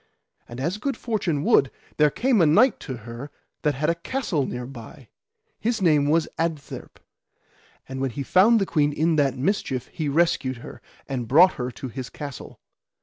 And as good fortune would, there came a knight to her that had a castle thereby, his name was Sir Adtherp. And when he found the queen in that mischief he rescued her, and brought her to his castle.